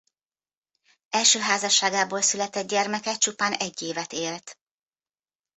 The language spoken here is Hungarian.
Első házasságából született gyermeke csupán egy évet élt.